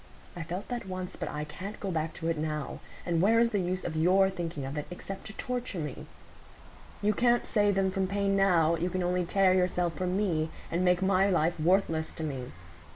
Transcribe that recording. I felt that once; but I can't go back to it now. And where is the use of your thinking of it, except to torture me? You can't save them from pain now; you can only tear yourself from me, and make my life worthless to me.